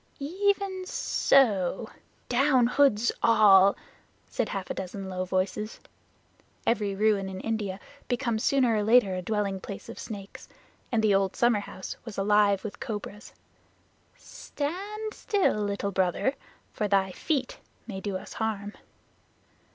"Even ssso! Down hoods all!" said half a dozen low voices (every ruin in India becomes sooner or later a dwelling place of snakes, and the old summerhouse was alive with cobras). "Stand still, Little Brother, for thy feet may do us harm."